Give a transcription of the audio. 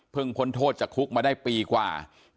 พ้นโทษจากคุกมาได้ปีกว่า